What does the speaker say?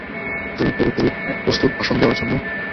তুমি পুরোপুরি প্রস্তুত ভাষণ দেওয়ার জন্য?